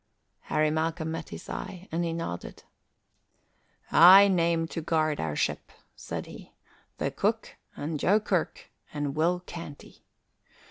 Harry Malcolm met his eye, and he nodded. "I name to guard our ship," said he, "the cook and Joe Kirk and Will Canty.